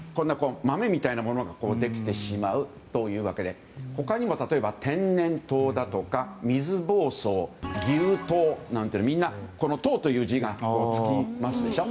豆みたいなものができてしまうというわけで他にも例えば天然痘だとか水ぼうそう牛痘なんて、みんな「痘」という字がつきますよね。